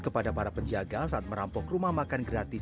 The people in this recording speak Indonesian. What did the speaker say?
kepada para penjaga saat merampok rumah makan gratis